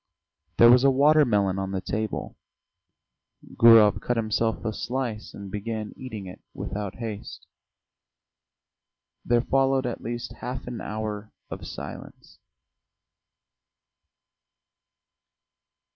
There was a water melon on the table. Gurov cut himself a slice and began eating it without haste. There followed at least half an hour of silence.